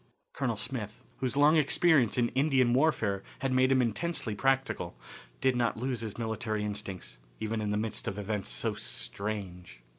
Colonel Smith, whose long experience in Indian warfare had made him intensely practical, did not lose his military instincts, even in the midst of events so strange.